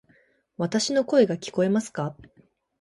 わたし（の声）が聞こえますか？